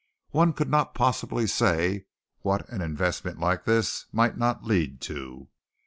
One could not possibly say what an investment like this might not lead to.